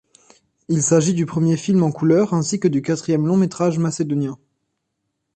Il s'agit du premier film en couleurs ainsi que du quatrième long métrage macédonien.